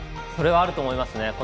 それはあると思いますね。